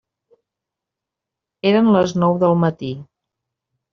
Eren les nou del matí.